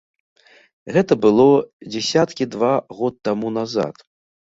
Гэта было дзесяткі два год таму назад.